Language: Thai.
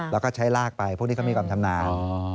แล้วก็ใช้ลากไปพวกนี้เขามีความชำนาญ